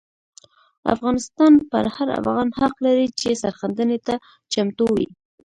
افغانستان پر هر افغان حق لري چې سرښندنې ته چمتو وي.